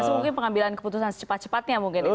mungkin pengambilan keputusan secepat cepatnya mungkin ya